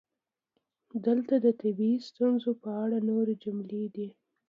دلته د طبیعي ستونزو په اړه نورې جملې دي: